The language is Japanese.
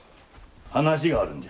話があるんじゃ。